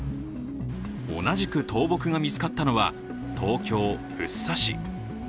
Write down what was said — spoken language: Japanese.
同じく倒木が見つかったのは東京・福生市。